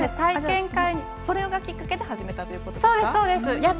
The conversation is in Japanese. それがきっかけで始めたということですか？